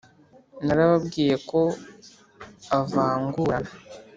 narababwiye ko avungurana